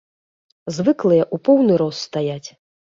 Звыклыя ў поўны рост стаяць.